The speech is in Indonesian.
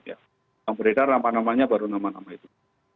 yang beredar nama namanya baru nama nama itu